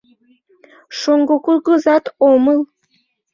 Шоҥго кугызак омыл.